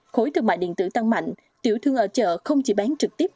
khối thương mại điện tử tăng mạnh tiểu thương ở chợ không chỉ bán trực tiếp